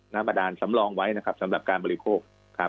น้ำบาดานสำรองไว้นะครับสำหรับการบริโภคครับ